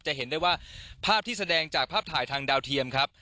เห็นได้ว่าภาพที่แสดงจากภาพถ่ายทางดาวเทียมครับ